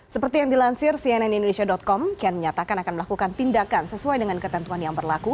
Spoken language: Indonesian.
seperti yang dilansir cnn indonesia com kian menyatakan akan melakukan tindakan sesuai dengan ketentuan yang berlaku